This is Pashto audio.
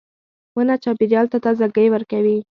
• ونه چاپېریال ته تازهګۍ ورکوي.